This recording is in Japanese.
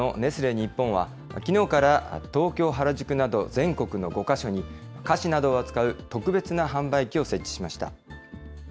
日本は、きのうから東京・原宿など全国の５か所に、菓子などを扱う特別な販売機を設置しました。